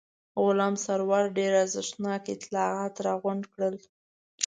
غلام سرور ډېر ارزښتناک اطلاعات راغونډ کړل.